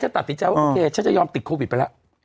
ตัดสินใจว่าโอเคฉันจะยอมติดโควิดไปแล้ว